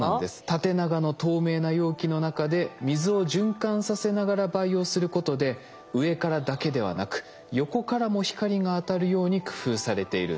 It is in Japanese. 縦長の透明な容器の中で水を循環させながら培養することで上からだけではなく横からも光が当たるように工夫されているんです。